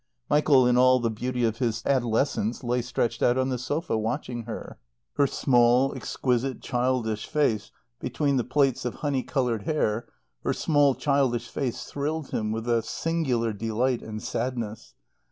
Michael, in all the beauty of his adolescence, lay stretched out on the sofa, watching her. Her small, exquisite, childish face between the plaits of honey coloured hair, her small, childish face thrilled him with a singular delight and sadness.